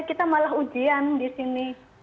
kita malah ujian di sini